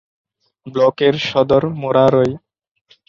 ব্লকের সদর মুরারই।